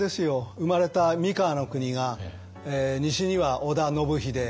生まれた三河国が西には織田信秀東には今川義元。